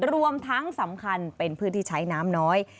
รวมทั้งสำคัญเป็นพื้นที่ใช้น้ำน้อย